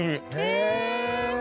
へえ。